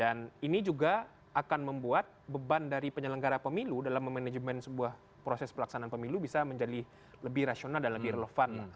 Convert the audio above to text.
ini juga akan membuat beban dari penyelenggara pemilu dalam memanajemen sebuah proses pelaksanaan pemilu bisa menjadi lebih rasional dan lebih relevan